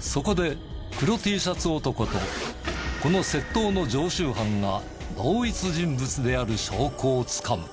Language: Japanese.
そこで黒Ｔシャツ男とこの窃盗の常習犯が同一人物である証拠をつかむ。